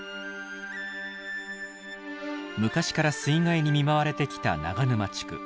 昔から水害に見舞われてきた長沼地区。